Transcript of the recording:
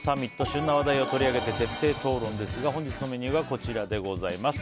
旬な話題を取り上げて徹底討論ですが本日のメニューがこちらです。